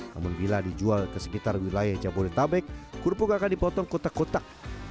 namun bila dijual ke sekitar wilayah jabodetabek kerupuk akan dipotong kotak kotak